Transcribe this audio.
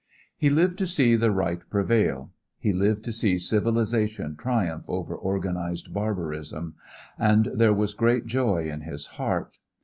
He lived to see the right prevail; he lived to see civilization triumph over organized barbarism; and there was great joy in his heart.